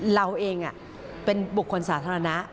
เราเองเป็นบุคคลสาธารณะ